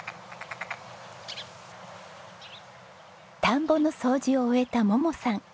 田んぼの掃除を終えた桃さん。